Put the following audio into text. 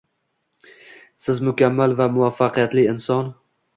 Siz mukammal va muvaffaqiyatli inson